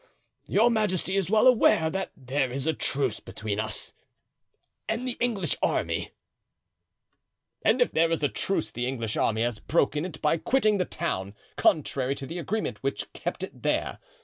"Your majesty is well aware that there is a truce between us and the English army." "And if there is a truce the English army has broken it by quitting the town, contrary to the agreement which kept it there.